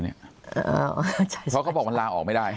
เพราะเขาบอกมันลาออกไม่ได้